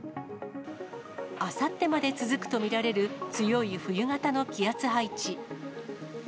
あさってまで続くと見られる強い冬型の気圧配置。